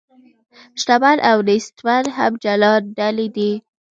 شتمن او نیستمن هم جلا ډلې دي.